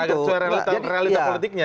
agar suara realita politiknya